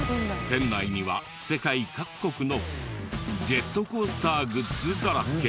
店内には世界各国のジェットコースターグッズだらけ。